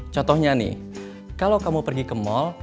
contohnya nih kalau kamu pergi ke mall